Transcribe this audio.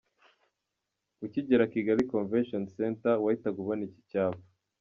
Ukigera Kigali Convention Center wahitaga ubona iki cyapa.